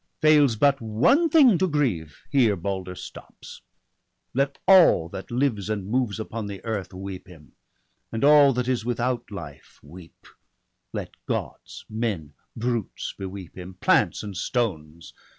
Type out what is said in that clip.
Fails but one thing to grieve, here Balder stops ! Let all that lives and moves upon the earth Weep him, and all that is without life weep; Let Gods, men, brutes, beweep him; plants and stones